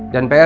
dan pak erick